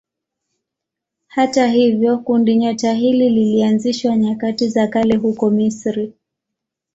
Hata hivyo kundinyota hili lilianzishwa nyakati za kale huko Misri.